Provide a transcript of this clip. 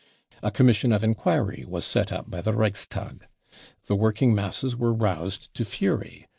A commission of enquiry was set up by the Reichstag. The working masses were roused to fury.